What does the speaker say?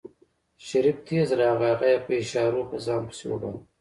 شريف تېز راغی هغه يې په اشارو په ځان پسې وباله.